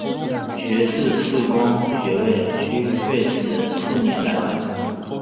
学士视光学位需费时四年来完成。